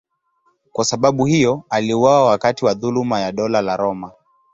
Kwa sababu hiyo aliuawa wakati wa dhuluma ya Dola la Roma.